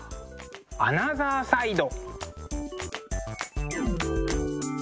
アナザーサイド。